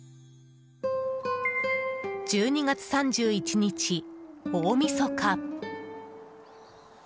１２月３１日、大みそか。